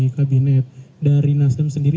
kabinet dari nasdem sendiri